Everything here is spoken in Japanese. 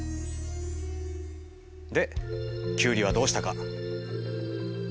でキュウリはどうしたか？